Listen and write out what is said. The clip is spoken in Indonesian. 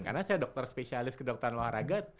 karena saya dokter spesialis ke dokteran olahraga